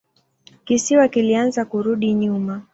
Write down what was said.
Kisiwa kilianza kurudi nyuma.